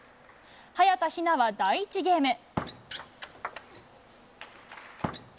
早田ひなは、第１ゲーム。